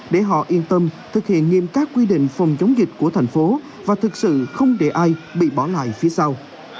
để họ yên tâm thực hiện nghiêm các quy định phòng chống dịch của thành phố và thực sự không để ai bị bỏ lại phía sau